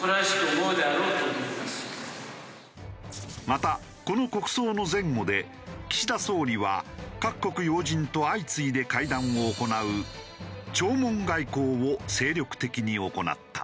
またこの国葬の前後で岸田総理は各国要人と相次いで会談を行う弔問外交を精力的に行った。